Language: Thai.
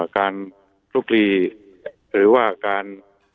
การคลุกลีหรือว่าการ